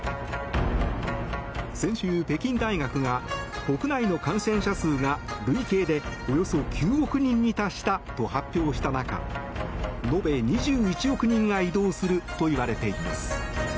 先週、北京大学が国内の感染者数が累計でおよそ９億人に達したと発表した中延べ２１億人が移動するといわれています。